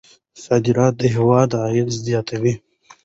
صادرات د هېواد عاید زیاتوي.